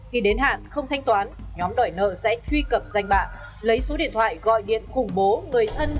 khi đến hạn không thanh toán nhóm đòi nợ sẽ truy cập danh bạ lấy số điện thoại gọi điện khủng bố người thân